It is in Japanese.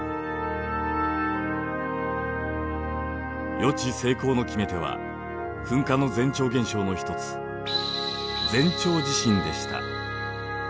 予知成功の決め手は噴火の前兆現象の一つ前兆地震でした。